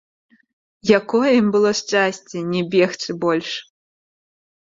Якое ім было шчасце не бегчы больш!